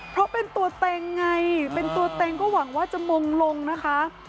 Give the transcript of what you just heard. เพราะเป็นตัวเต็งไงเป็นตัวเต็งก็หวังว่าจะมงลงนะคะ